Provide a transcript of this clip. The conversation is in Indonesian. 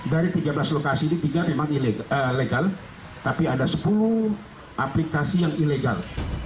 dari tiga belas lokasi ini tiga memang legal tapi ada sepuluh aplikasi yang ilegal